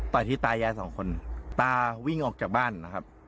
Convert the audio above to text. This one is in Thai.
ที่ตายายสองคนตาวิ่งออกจากบ้านนะครับ